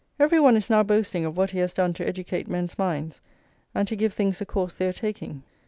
Every one is now boasting of what he has done to educate men's minds and to give things the course they are taking.